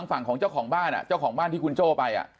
ฝั่งของเจ้าของบ้านเจ้าของบ้านที่คุณโจ้ไป